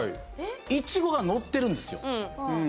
イチゴが乗っているんですよ。